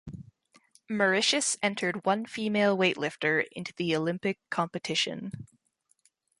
Mauritius entered one female weightlifter into the Olympic competition.